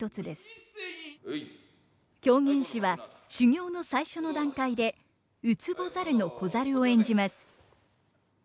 狂言師は修業の最初の段階で「靭猿」の子猿を演じます。